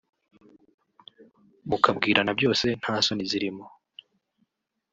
mukabwirana byose nta soni zirimo